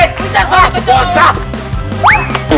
kerja sama kerja sama